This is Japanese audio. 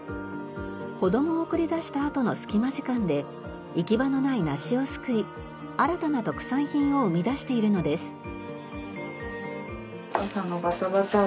子どもを送り出したあとの隙間時間で行き場のない梨を救い新たな特産品を生み出しているのです。